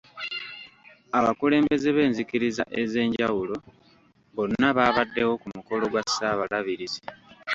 Abakulembeze b'enzikiriza ez'enjawulo bonna baabaddewo ku mukolo gwa Ssaabalabirizi.